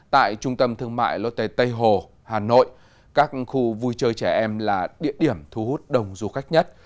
tại trung tâm thương mại lotte tây hồ hà nội các khu vui chơi trẻ em là địa điểm thu hút đông du khách nhất